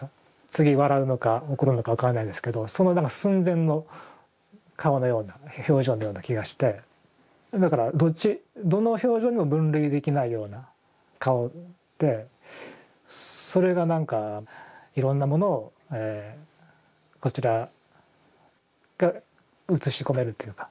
次笑うのか怒るのか分からないですけどそのなんか寸前の顔のような表情のような気がしてだからどっちどの表情にも分類できないような顔でそれがなんかいろんなものをこちらがうつし込めるっていうか。